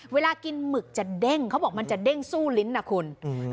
เวลากินหมึกจะเด้งเขาบอกมันจะเด้งสู้ลิ้นนะคุณ